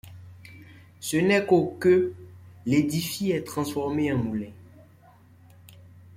Ce n'est qu'au que l'édifie est transformé en moulin.